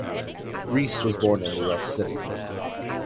Reese was born in New York City.